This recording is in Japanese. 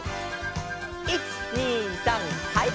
１２３はい！